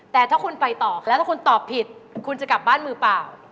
แต่ถ้าคุณไปต่อแล้วถ้าคุณตอบผิดคุณจะกลับบ้านมือเปล่า